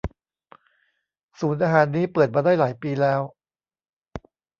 ศูนย์อาหารนี้เปิดมาได้หลายปีแล้ว